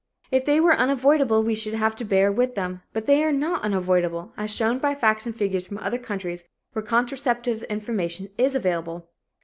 If they were unavoidable, we should have to bear with them, but they are not unavoidable, as shown by facts and figures from other countries where contraceptive information is available.